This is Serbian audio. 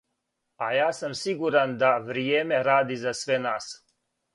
А ја сам сигуран да вријеме ради за све нас.